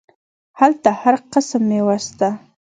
هلته هر قسم ميوه سته.